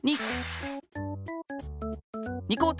２！